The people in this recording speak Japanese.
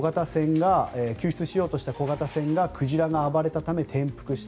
救出しようとした小型船が鯨が暴れたため転覆した。